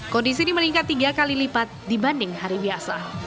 kondisi ini meningkat tiga kali lipat dibanding hari biasa